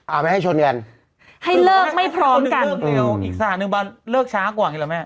อ่าไม่ให้ชนกันให้เลิกไม่พร้อมกันอืมอีกสถาบันเลิกช้ากว่าอย่างนี้หรอแม่